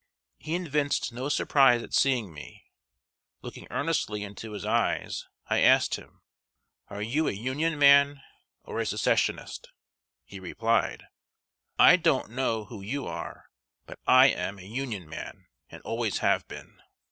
He evinced no surprise at seeing me. Looking earnestly into his eyes, I asked him: "Are you a Union man or a Secessionist?" He replied: "I don't know who you are; but I am a Union man, and always have been."